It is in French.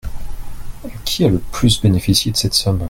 Qui a le plus bénéficié de cette somme ?